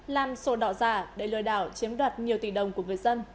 làm sổ đỏ giả để lừa đảo chiếm đoạt nhiều tỷ đồng của người dân